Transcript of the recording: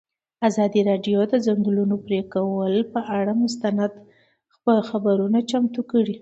ازادي راډیو د د ځنګلونو پرېکول پر اړه مستند خپرونه چمتو کړې.